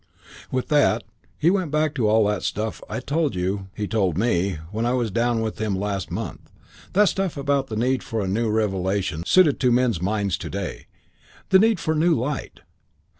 "With that he went back to all that stuff I told you he told me when I was down with him last month that stuff about the need for a new revelation suited to men's minds to day, the need for new light.